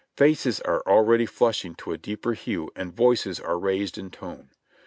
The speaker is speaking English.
Faces are already flushing to a deeper hue and voices are raised in tone.